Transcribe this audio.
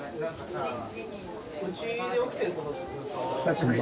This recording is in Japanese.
久しぶり。